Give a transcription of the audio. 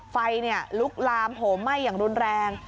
ไฟลุกลามโหมไหม้อย่างรุนแรง